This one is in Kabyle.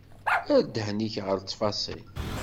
Err ddhen-ik ɣer ttfaṣil.